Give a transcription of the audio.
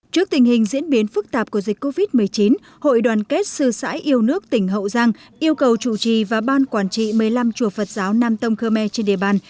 trước tình hình diễn biến phức tạp của dịch covid một mươi chín hội đoàn kết sư sãi yêu nước tỉnh hậu giang yêu cầu chủ trì và ban quản trị một mươi năm chùa phật giáo nam tông khơ me trên địa bàn